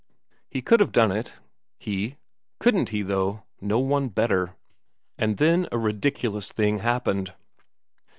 He could have done it he? Couldn't he, though! No one better. And then a ridiculous thing happened.